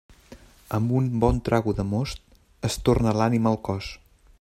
Amb un bon trago de most es torna l'ànima al cos.